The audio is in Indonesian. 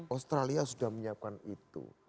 australia sudah menyiapkan itu